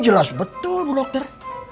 jelas betul bu dokter